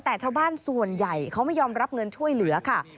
แต่ชาวบ้านส่วนใหญ่เขาไม่ยอมรับเงินช่วยเหลือค่ะ